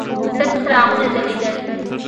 تت څراغونه ځلېدل.